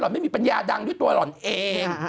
ไม่มีปัญญาดังด้วยตัวหล่อนเอง